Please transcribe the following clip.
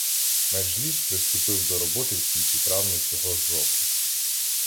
Меджліс приступив до роботи в кінці травня цього ж року.